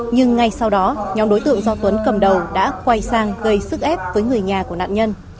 nhưng ngay sau đó nhóm đối tượng do tuấn cầm đầu đã quay sang gây sức ép với người nhà của nạn nhân